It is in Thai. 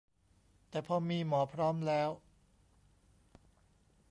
แต่พอมีหมอพร้อมแล้ว